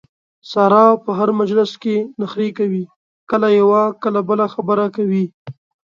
ساره په هر مجلس کې نخرې کوي کله یوه کله بله خبره کوي.